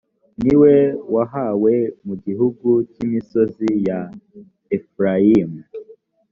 niwe wahawe mu gihugu cy imisozi ya efurayimu.